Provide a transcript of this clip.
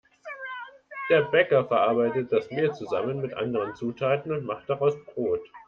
Der Bäcker verarbeitet das Mehl zusammen mit anderen Zutaten und macht daraus Brot.